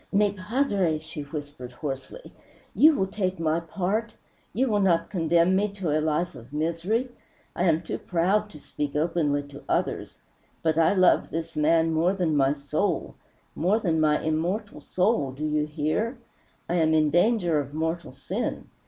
"Mi padre!" she whispered hoarsely, "you will take my part! You will not condemn me to a life of misery! I am too proud to speak openly to others but I love this man more than my soul more than my immortal soul. Do you hear? I am in danger of mortal sin.